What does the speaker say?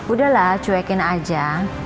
udahlah cuekin aja